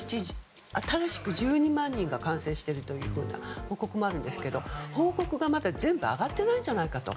新しく１２万人が感染しているという報告もあるんですが報告がまだ全部上がっていないんじゃないかと。